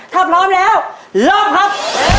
ถ้าพร้อมแล้วลบครับ